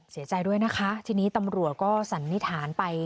เสียใจด้วยนะคะทีนี้ตำรวจก็สันนิษฐานไป